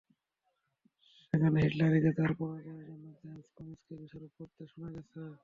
সেখানে হিলারিকে তাঁর পরাজয়ের জন্য জেমস কোমিকে দোষারোপ করতে শোনা গেছে।